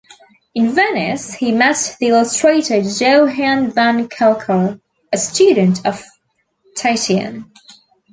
In Venice, he met the illustrator Johan van Calcar, a student of Titian.